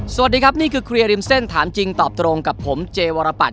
สวัสดีครับนี่คือเคลียร์ริมเส้นถามจริงตอบตรงกับผมเจวรปัต